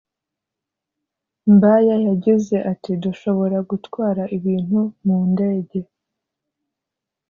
Mbaya yagize ati “Dushobora gutwara ibintu mu ndege